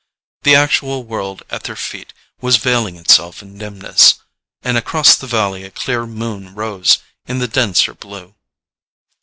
The actual world at their feet was veiling itself in dimness, and across the valley a clear moon rose in the denser blue.